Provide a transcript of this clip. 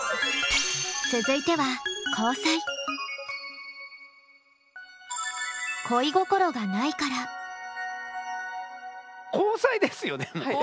続いては交際ですよね？